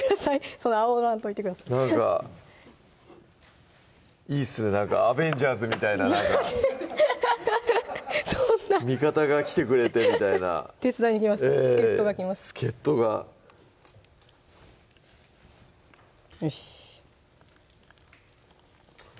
そんなあおらんといてくださいなんかいいっすねなんかアベンジャーズみた味方が来てくれてみたいな手伝いに来ました助っ人が来ます助っ人がよし！